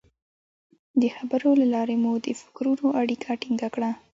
د خبرو له لارې مو د فکرونو اړیکه ټینګه کړه.